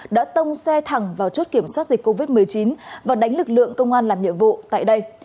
đã tông xe thẳng vào chốt kiểm soát dịch covid một mươi chín và đánh lực lượng công an làm nhiệm vụ tại đây